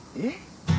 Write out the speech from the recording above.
えっ？